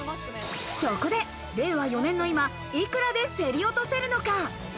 そこで、令和４年の今、いくらで競り落とせるのか？